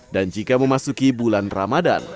dan jika memasuki bulan ramadan